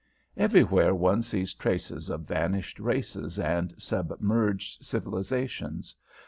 Everywhere one sees traces of vanished races and submerged civilisations.